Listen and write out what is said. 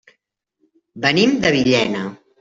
Venim de Villena.